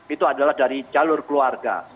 itu adalah dari jalur keluarga